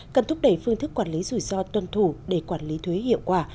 cần thúc đẩy phương thức quản lý rủi ro tuân thủ để quản lý thuế hiệu quả